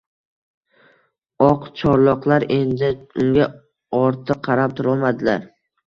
oqcharloqlar endi unga ortiq qarab turolmadilar.